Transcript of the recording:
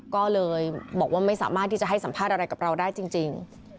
ก็เลยบอกว่าไม่สามารถที่จะให้สัมภาษณ์อะไรกับเราได้จริง